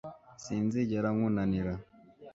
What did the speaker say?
Sinzigera nkunanira